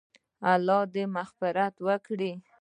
الله دې مغفرت وکړي -